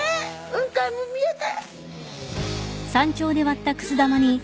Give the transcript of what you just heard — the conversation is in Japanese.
雲海も見えて。